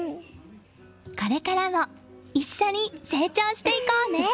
これからも一緒に成長していこうね。